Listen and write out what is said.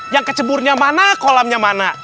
yang keceburnya mana kolamnya mana